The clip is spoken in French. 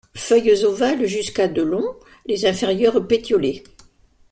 Feuilles ovales jusqu'à de long, les inférieures pétiolées.